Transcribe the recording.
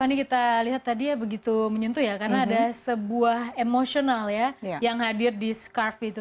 ini kita lihat tadi ya begitu menyentuh ya karena ada sebuah emosional ya yang hadir di scarf itu